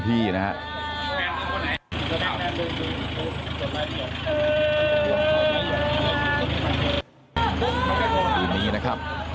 ที่นะครับ